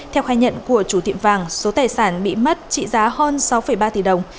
theo khai nhận của chủ tiệm vàng số tài sản bị mất trị giá hơn sáu ba tỷ đồng